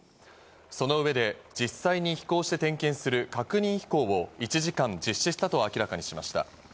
その上で実際に飛行して点検する確認飛行を１時間実施したと明らかにしました。